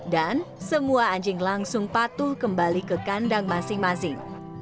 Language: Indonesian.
dan semua anjing langsung patuh kembali ke kandang masing masing